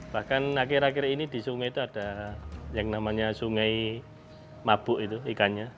bahkan akhir akhir ini di sungai itu ada yang namanya sungai mabuk itu ikannya